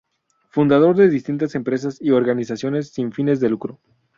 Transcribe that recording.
Fundador de distintas empresas y organizaciones sin fines de lucro.